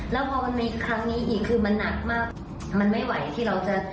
แล้วพอมันมีครั้งนี้อีกคือมันหนักมากมันไม่ไหวที่เราจะ